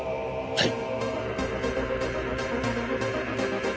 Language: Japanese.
はい！